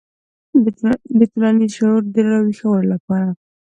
د ټولنیز شعور د راویښولو لپاره.